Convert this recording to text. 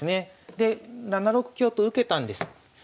で７六香と受けたんです。